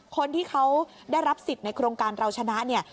คนที่เขาได้รับสิทธิ์ในโครงการเราชนะเนี่ย